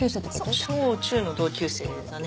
小・中の同級生だね。